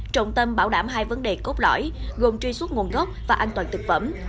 trọng tâm bảo đảm hai vấn đề cốt lõi gồm truy xuất nguồn gốc và an toàn thực phẩm